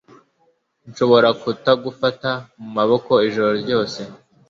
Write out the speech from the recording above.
Nshobora kutagufata mu maboko ijoro ryose